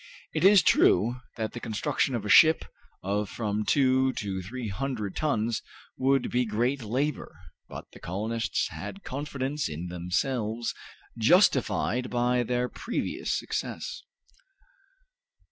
It is true that the construction of a ship of from two to three hundred tons would be great labor, but the colonists had confidence in themselves, justified by their previous success.